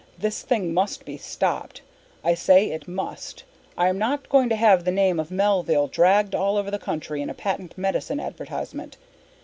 "This thing must be stopped. I say it must. I am not going to have the name of Melville dragged all over the country in a patent medicine advertisement.